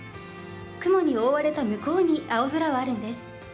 雲に覆われた向こうに青空はあるんです。